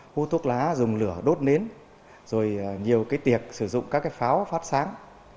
hô thuốc lá dùng lửa đốt nến rồi nhiều tiệc sử dụng các pháo phát sáng